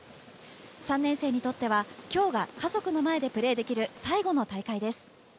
３年生にとっては今日が家族の前でプレーできる最後の大会です。